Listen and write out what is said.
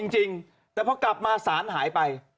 จริงแต่พอกลับมาสารหายไป